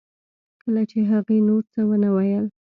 کله چې هغې نور څه ونه ویل